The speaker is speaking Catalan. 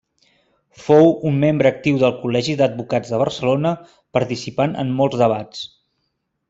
Fou un membre actiu del Col·legi d'Advocats de Barcelona, participant en molts debats.